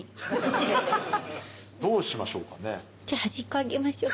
どうしましょうかね？